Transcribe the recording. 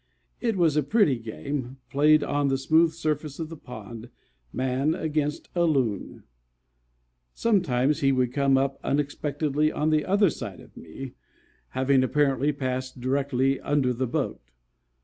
It was a pretty game, played on the smooth surface of the pond, man against a Loon. Some times he would come up unexpectedly on the other side of me, having apparently passed directly under the boat.